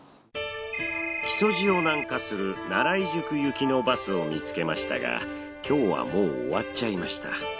木曽路を南下する奈良井宿行きのバスを見つけましたが今日はもう終わっちゃいました。